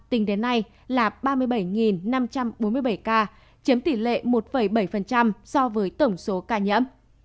tổng số ca tiểu vong do covid một mươi chín tại việt nam tính đến nay là ba mươi bảy năm trăm bốn mươi bảy ca chiếm tỷ lệ một bảy so với tổng số ca nhẫm